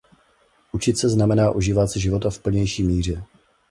Učit se znamená užívat si života v plnější míře.